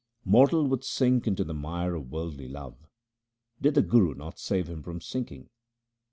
Mortal would sink into the mire of worldly love, did the Guru not save him from sinking.